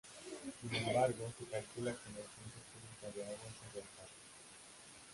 Sin embargo, se calcula que en ausencia absoluta de agua sería estable.